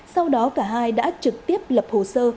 sau đó cả hai đã trực tiếp lập hồ sơ